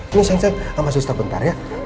ini sayang sayang sama suster bentar ya